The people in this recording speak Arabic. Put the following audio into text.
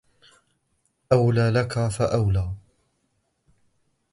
أَوْلَى لَكَ فَأَوْلَى